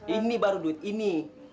ini baru duit ini